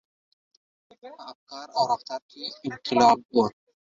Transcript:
• په افکارو او رفتار کې انقلاب و.